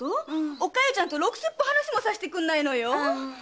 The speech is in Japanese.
お加代ちゃんとろくすっぽ話もさせてくんないのよ。